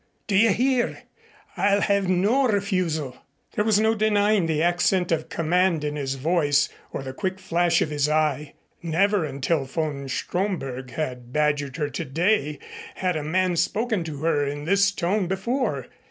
Do you hear? I'll have no refusal." There was no denying the accent of command in his voice or the quick flash of his eye. Never until von Stromberg had badgered her today had a man spoken to her in this tone before.